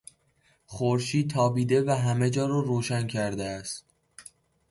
خورشید تابیده و همه جا را روشن کرده است.